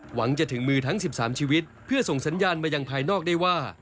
หวังจะถึงมือทั้ง๑๓ชีวิตเพื่อส่งสัญญาณมายังภายนอกได้ว่า